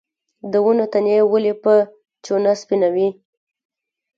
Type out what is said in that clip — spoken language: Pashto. د ونو تنې ولې په چونه سپینوي؟